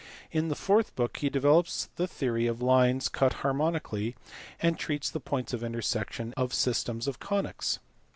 In the fourth book he develops the theory of lines cut harmonically, and treats of the points of intersection of systems of conies.